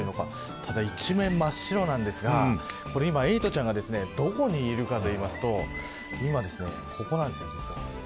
ただ、一面真っ白なんですが今エイトちゃんがどこにいるかというと今、ここなんです、実は。